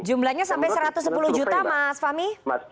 jumlahnya sampai satu ratus sepuluh juta mas fahmi